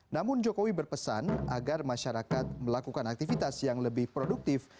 namun jokowi berpesan agar masyarakat melakukan aktivitas yang lebih produktif